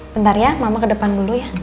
bentar ya mama ke depan dulu ya